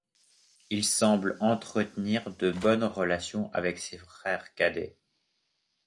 Il semble entretenir de bonnes relations avec ses frères cadets.